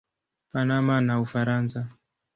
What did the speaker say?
Panama na Ufaransa.